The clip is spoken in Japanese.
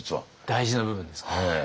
大事な部分です。